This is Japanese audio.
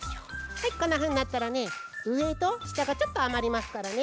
はいこんなふうになったらねうえとしたがちょっとあまりますからね。